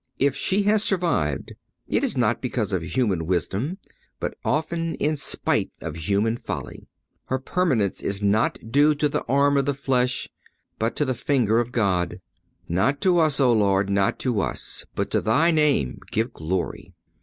If she has survived, it is not because of human wisdom, but often in spite of human folly. Her permanence is due not to the arm of the flesh, but to the finger of God. "Not to us, O Lord, not to us, but to Thy name give glory."